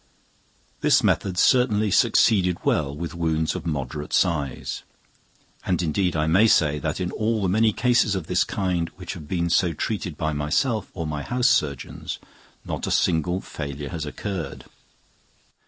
This method certainly succeeded well with wounds of moderate size; and indeed I may say that in all the many cases of this kind which have been so treated by myself or my house surgeons, not a single failure has occurred.